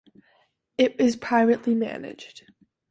It is privately managed.